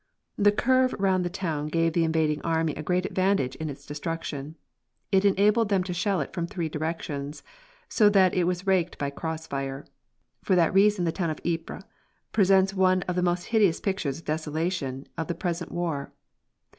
The curve round the town gave the invading army a great advantage in its destruction. It enabled them to shell it from three directions, so that it was raked by cross fire. For that reason the town of Ypres presents one of the most hideous pictures of desolation of the present war.